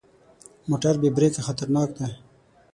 موټر بې بریکه خطرناک دی.